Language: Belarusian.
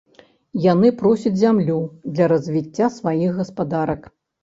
Яны просяць зямлю для развіцця сваіх гаспадарак.